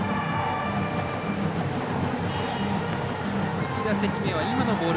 １打席目は今のボール